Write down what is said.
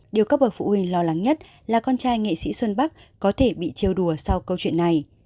điều các bậc phụ huynh lo lắng nhất là con trai nghệ sĩ xuân bắc có thể bị treo đùa sau câu chuyện này